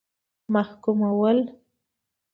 محکومول.